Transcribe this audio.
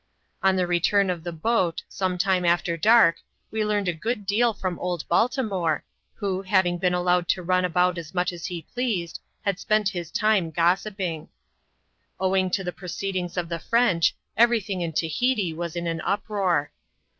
On the return of the boat, some time after dark, we learned a good deal from old Baltimore, who, having been allowed to run about as much as he pleased, had spent his time gossipping. Owing to the proceedings of the French, every thing in Tahiti was in an uproar.